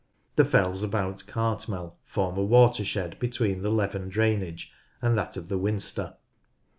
The fells about Cartmel form a watershed between the Leven drainage and that of the Winster.